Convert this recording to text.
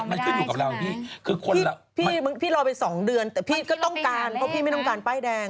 มันขึ้นอยู่กับเราพี่คือคนละมันกินลองไม่ได้ใช่ไหม